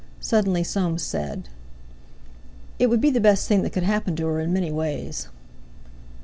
Suddenly Soames said: "It would be the best thing that could happen to her in many ways."